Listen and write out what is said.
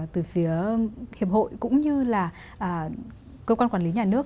từ phía hiệp hội cũng như là cơ quan quản lý nhà nước